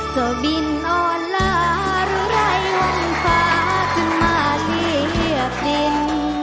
จะบินอ่อนแล้วรุ่นไหลห่องฟ้าขึ้นมาเทียบสิ้น